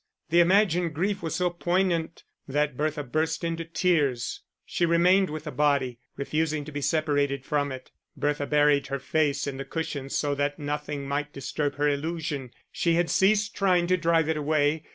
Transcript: The imagined grief was so poignant that Bertha burst into tears. She remained with the body, refusing to be separated from it Bertha buried her face in the cushions so that nothing might disturb her illusion, she had ceased trying to drive it away.